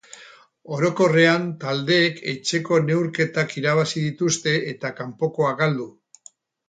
Orokorrean taldeek etxeko neurketak irabazi dituzte eta kanpokoa galdu.